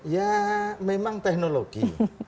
ya memang teknologi